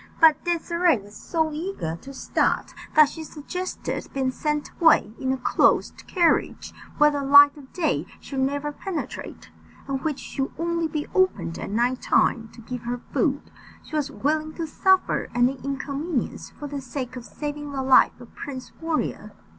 But Désirée was so eager to start, that she suggested being sent away in a closed carriage, where the light of day should never penetrate, and which should only be opened at night time to give her food. She was willing to suffer any inconvenience for the sake of saving the life of Prince Warrior.